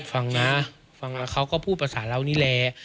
ฟังนะฟังแล้วเขาก็พูดภาษาเรานี่แหละ